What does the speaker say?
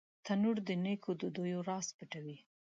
تنور د نیکو ډوډیو راز پټوي